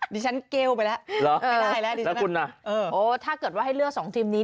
ดิฉันเกลวไปแล้วไม่ได้แล้วดิฉันนะครับโอ้ถ้าเกิดว่าให้เลือก๒ทีมนี้